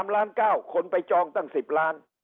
๓ล้าน๙คนไปจองตั้ง๑๐ล้าน